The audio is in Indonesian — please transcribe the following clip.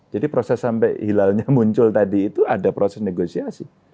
jadi proses sampai hilalnya muncul tadi itu ada proses negosiasi